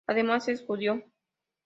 Además es judío.